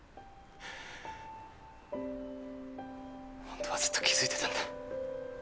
本当はずっと気づいてたんだ。